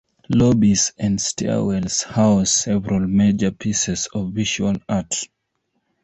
Lobbies and stairwells house several major pieces of visual art.